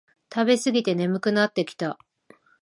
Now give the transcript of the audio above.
食べすぎて眠くなってきた